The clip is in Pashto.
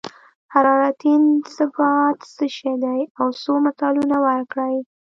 حرارتي انبساط څه شی دی او څو مثالونه ورکړئ.